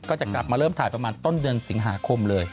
ก็จะกลับมาเริ่มถ่ายประมาณต้นเดือนสิงหาคมเลย